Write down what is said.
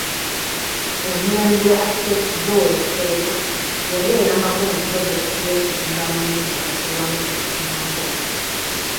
Omulangira Architect Joel kateregga yali ayambako mu pulojekiti y’okuzimba amayumba agasulwamu bamufunampola.